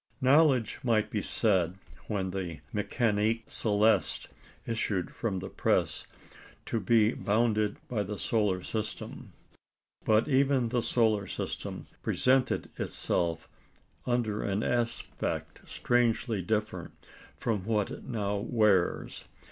Knowledge might be said, when the Mécanique Céleste issued from the press, to be bounded by the solar system; but even the solar system presented itself under an aspect strangely different from what it now wears.